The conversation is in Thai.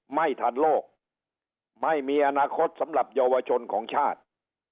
ไม่ทันโลกไม่มีอนาคตสำหรับเยาวชนของชาติ